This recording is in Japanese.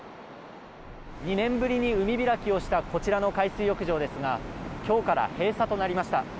２年ぶりに海開きをしたこちらの海水浴場ですが今日から閉鎖となりました。